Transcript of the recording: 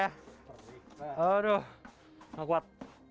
aduh nggak kuat